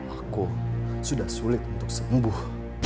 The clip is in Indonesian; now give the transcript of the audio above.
aku sudah sulit untuk sembuh